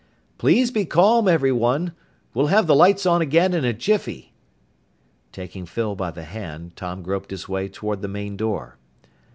"Please be calm, everyone! We'll have the lights on again in a jiffy!" Taking Phyl by the hand, Tom groped his way toward the main door.